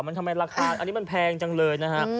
มันทำไมราคาอันนี้มันแพงจังเลยนะฮะ